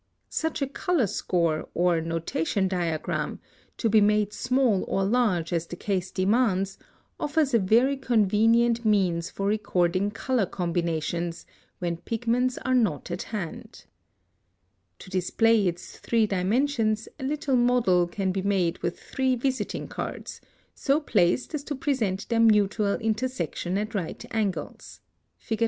+ Such a color score, or notation diagram, to be made small or large as the case demands, offers a very convenient means for recording color combinations, when pigments are not at hand. [Illustration: Fig. 24.] (141) To display its three dimensions, a little model can be made with three visiting cards, so placed as to present their mutual intersection at right angles (Fig.